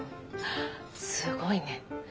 すごいね。